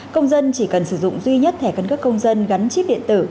công dân chỉ cần sử dụng duy nhất thẻ cân cấp công dân gắn chip điện tử